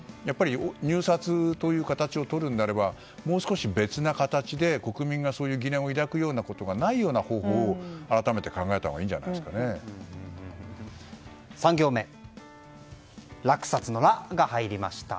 入札という形をとるのであればもう少し別の形で国民が疑念を抱くようなことがないような方法を改めて考えたほうが３行目、落札の「ラ」が入りました。